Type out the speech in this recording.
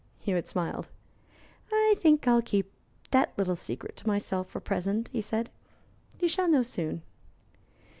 Hewitt smiled. "I think I'll keep that little secret to myself for the present," he said. "You shall know soon."